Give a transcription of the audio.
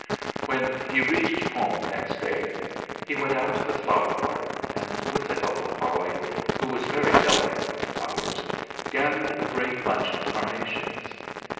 When he reached home next day he went out to the flower garden, and with the help of Holly, who was very delicate with flowers, gathered a great bunch of carnations.